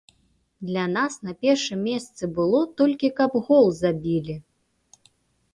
Для нас на першым месцы было толькі каб гол забілі.